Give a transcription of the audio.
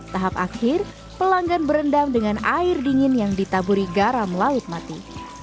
tahap akhir pelanggan berendam dengan air dingin yang ditaburi garam laut mati